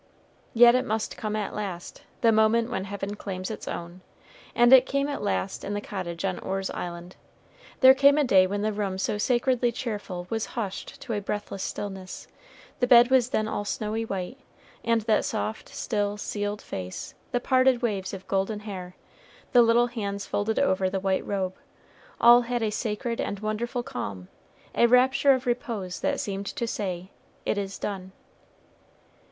Yet it must come at last, the moment when heaven claims its own, and it came at last in the cottage on Orr's Island. There came a day when the room so sacredly cheerful was hushed to a breathless stillness; the bed was then all snowy white, and that soft still sealed face, the parted waves of golden hair, the little hands folded over the white robe, all had a sacred and wonderful calm, a rapture of repose that seemed to say "it is done."